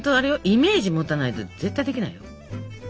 イメージもたないと絶対できないよ。